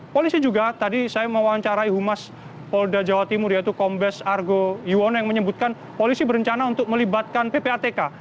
polisi juga tadi saya mewawancarai humas polda jawa timur yaitu kombes argo yuwono yang menyebutkan polisi berencana untuk melibatkan ppatk